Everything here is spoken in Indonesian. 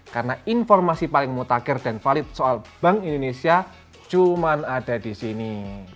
karena informasi paling mutagir dan valid soal bank indonesia cuma ada di sini